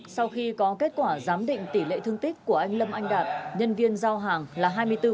sau khi có kết quả giám định tỷ lệ thương tích của anh lâm anh đạt nhân viên giao hàng là hai mươi bốn